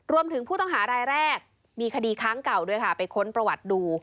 ผู้ต้องหารายแรกมีคดีค้างเก่าด้วยค่ะไปค้นประวัติดู